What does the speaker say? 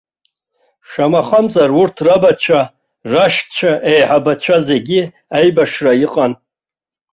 Шамахамзар урҭ рабацәа, рашьцәа еиҳабацәа зегьы аибашьра иҟан.